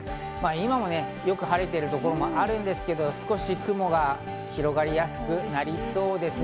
今もよく晴れているところもあるんですけど、少し雲が広がりやすくなりそうですね。